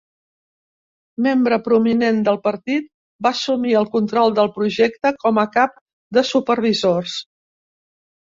Membre prominent del partit, va assumir el control del projecte com a cap de supervisors.